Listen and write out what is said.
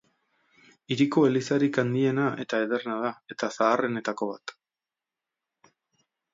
Hiriko elizarik handiena eta ederrena da, eta zaharrenetako bat.